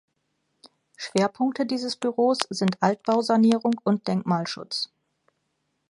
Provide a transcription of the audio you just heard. Schwerpunkte dieses Büros sind Altbausanierung und Denkmalschutz.